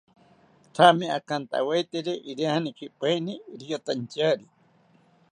Thame akantawetiri irianerikipaeni riyotantyari